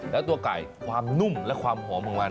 แล้วตัวไก่ความนุ่มและความหอมของมัน